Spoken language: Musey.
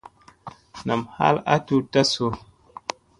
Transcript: Nam hal a tutta su.